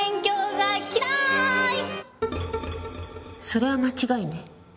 それは間違いね。